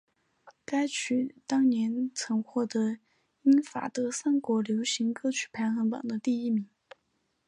该曲当年曾获得英法德三国流行歌曲排行榜的第一名。